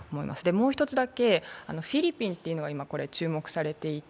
もう１つだけ、フィリピンが今注目されていて、